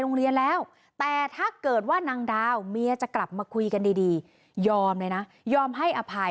หรือถ้าไม่กลับมา